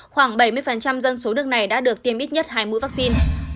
khoảng bảy mươi dân số nước này đã được tiêm ít nhất hai mũi vaccine